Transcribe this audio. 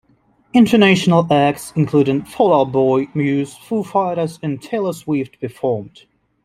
International acts including Fall Out Boy, Muse, Foo Fighters and Taylor Swift performed.